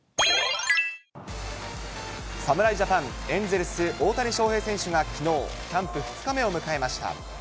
侍ジャパン、エンゼルス、大谷翔平選手がきのう、キャンプ２日目を迎えました。